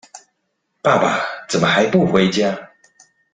爸爸怎麼還不回家